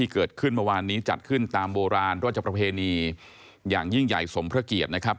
เกิดขึ้นเมื่อวานนี้จัดขึ้นตามโบราณราชประเพณีอย่างยิ่งใหญ่สมพระเกียรตินะครับ